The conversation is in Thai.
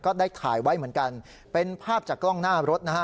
ได้ถ่ายไว้เหมือนกันเป็นภาพจากกล้องหน้ารถนะฮะ